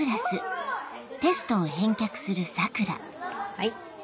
はい。